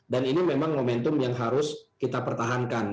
dan ini memang momentum yang harus kita pertahankan